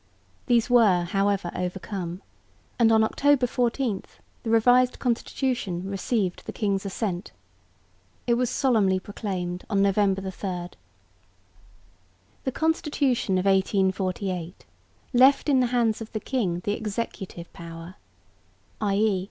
These were, however, overcome; and on October 14 the revised constitution received the king's assent. It was solemnly proclaimed on November 3. The Constitution of 1848 left in the hands of the king the executive power, i.e.